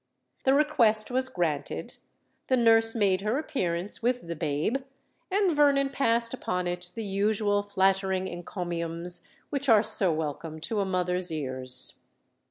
The request was granted:—the nurse made her appearance with the babe; and Vernon passed upon it the usual flattering encomiums which are so welcome to a mother's ears.